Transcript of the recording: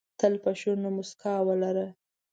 تل په شونډو موسکا ولره .